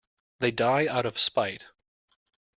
They die out of spite.